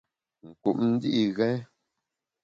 Nkup ndi’ ghèn.